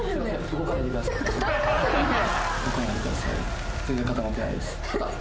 動かないでください。